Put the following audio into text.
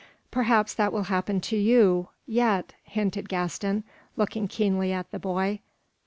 "Perhaps that will happen to you yet," hinted Gaston, looking keenly at the boy.